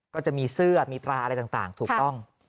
ก็จะมีเสื้อมีตราอะไรต่างถูกต้อง